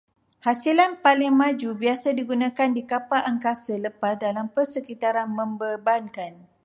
Hasilan paling maju biasa digunakan di kapal angkasa lepas dalam persekitaran membebankan